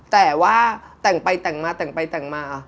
แต่ว่าแต่งไปแต่งมาแต่งไปแต่งมา